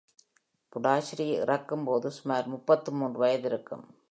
புடாஷிரி இறக்கும் போது சுமார் முப்பத்து மூன்று வயது இருக்கும்.